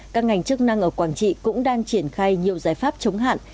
các ngành chức năng ở quảng trị cũng đang triển khai nhiều giải pháp chống hạn